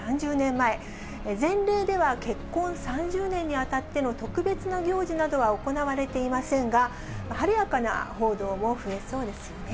前例では結婚３０年にあたっての特別な行事などは行われていませんが、晴れやかな報道も増えそうですよね。